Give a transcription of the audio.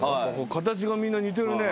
形がみんな似てるね。